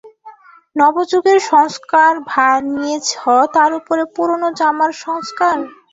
নব যুগের সংস্কারভার নিয়েছ, তার উপরে পুরোনো জামার সংস্কার?